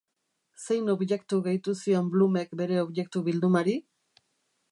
Zein objektu gehitu zion Bloomek bere objektu-bildumari?